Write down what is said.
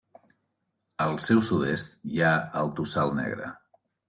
Al seu sud-est hi ha el Tossal Negre.